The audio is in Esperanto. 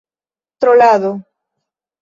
trolado